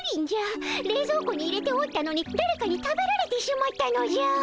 冷蔵庫に入れておったのにだれかに食べられてしまったのじゃ。